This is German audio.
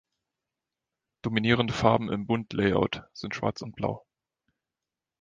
Dominierende Farben im "Bund"-Layout sind Schwarz und Blau.